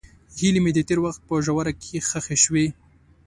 هیلې مې د تېر وخت په ژوره کې ښخې شوې.